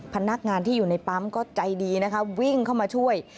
พนักงานที่อยู่ในปั๊มก็ใจดีนะคะวิ่งเข้ามาช่วย